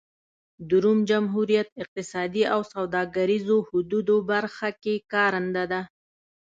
د روم جمهوریت اقتصادي او سوداګریزو حدودو برخه کې کارنده ده.